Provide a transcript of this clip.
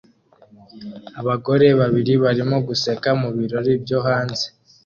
Abagore babiri barimo guseka mu birori byo hanze